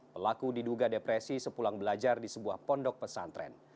pelaku diduga depresi sepulang belajar di sebuah pondok pesantren